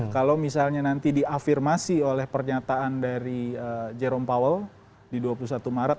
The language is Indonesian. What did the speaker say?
kalau misalnya nanti diafirmasi oleh pernyataan dari jerome powell di dua puluh satu maret